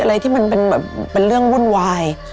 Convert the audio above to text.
อะไรที่เป็นเรื่องวุ่นวาย